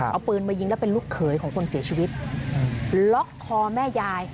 เอาปืนมายิงแล้วเป็นลูกเขยของคนเสียชีวิตล็อกคอแม่ยาย